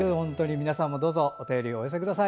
皆さんもどうぞお便りお寄せください。